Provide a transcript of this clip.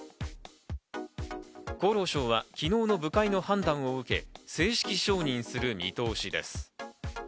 厚労省は昨日の部会の判断を受け、正式承認する見通しです。